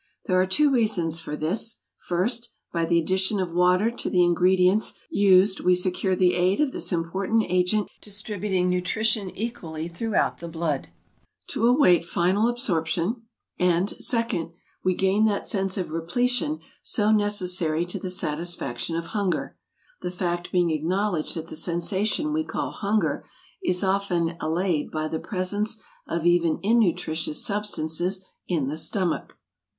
There are two reasons for this: first, by the addition of water to the ingredients used we secure the aid of this important agent in distributing nutrition equally throughout the blood, to await final absorption; and, second, we gain that sense of repletion so necessary to the satisfaction of hunger the fact being acknowledged that the sensation we call hunger is often allayed by the presence of even innutritious substances in the stomach.